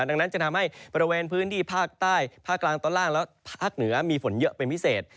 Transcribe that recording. ดังนั้นจะทำให้บริเวณพื้นที่ภาคใต้ภาคกลางตอนล่างและภาคเหนือมีฝนเยอะเป็นพิเศษ